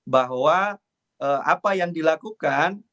bahwa apa yang dilakukan